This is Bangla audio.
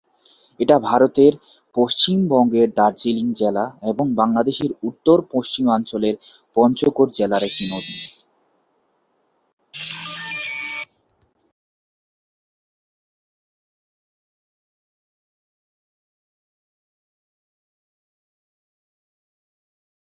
এটি ভারতের পশ্চিমবঙ্গের দার্জিলিং জেলা এবং বাংলাদেশের উত্তর-পশ্চিমাঞ্চলের পঞ্চগড় জেলার একটি নদী।